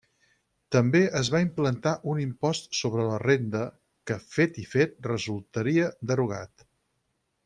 També es va implantar un Impost sobre la renda, que fet i fet resultaria derogat.